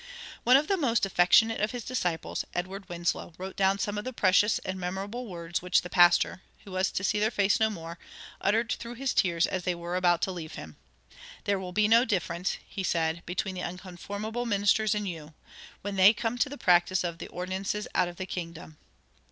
One of the most affectionate of his disciples, Edward Winslow, wrote down some of the precious and memorable words which the pastor, who was to see their face no more, uttered through his tears as they were about to leave him. "'There will be no difference,' he said, 'between the unconformable ministers and you, when they come to the practice of the ordinances out of the kingdom.'